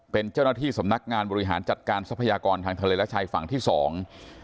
เป็นเจ้าหน้าที่สำนักงานบริหารจัดการทรัพยากรทางทะเลและชายฝั่งที่สอง